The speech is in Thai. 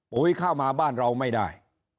เข้ามาบ้านเราไม่ได้